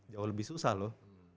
jauh lebih susah loh